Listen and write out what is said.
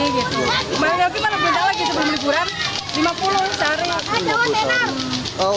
kemarin kemarin mana beli lagi sebelum liburan lima puluh sehari